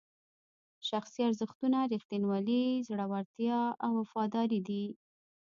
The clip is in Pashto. شخصي ارزښتونه ریښتینولي، زړورتیا او وفاداري دي.